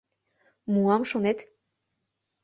— Муам, шонет?